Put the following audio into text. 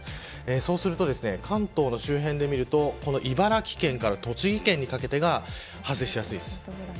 そうすると関東の周辺で見ると茨城県から栃木県にかけてが発生しやすいです。